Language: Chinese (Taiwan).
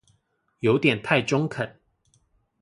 有點太中肯